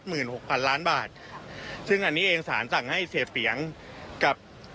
หกพันล้านบาทซึ่งอันนี้เองสารสั่งให้เสียเปียงกับ